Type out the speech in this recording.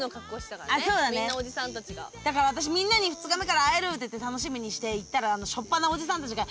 だからあたしみんなに２日目から会えるって楽しみにして行ったら初っぱなおじさんたちが。